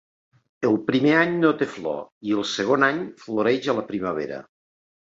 El primer any no té flor, i el segon any floreix a la primavera.